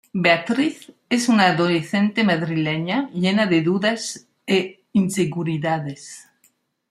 Beatriz es una adolescente madrileña llena de dudas e inseguridades.